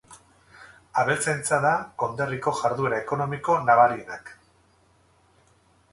Abeltzaintza da konderriko jarduera ekonomiko nabarienak.